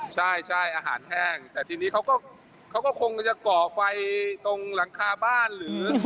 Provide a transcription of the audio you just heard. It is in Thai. ใช่อาหารแห้งแต่ทีนี้เขาก็คงจะก่อไฟตรงหลังคาบ้านหรือ